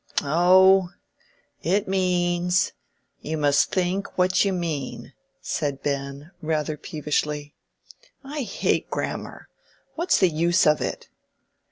"Oh—it means—you must think what you mean," said Ben, rather peevishly. "I hate grammar. What's the use of it?"